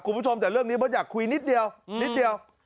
คุณผู้ชมแต่เรื่องนี้เบาะอยากคุยนิดเดียว